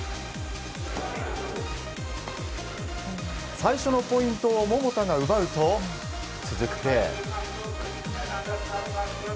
最初のポイントを桃田が奪うと続いて。